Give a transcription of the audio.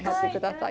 はい。